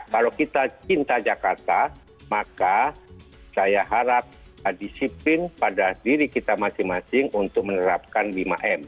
kalau kita cinta jakarta maka saya harap disiplin pada diri kita masing masing untuk menerapkan lima m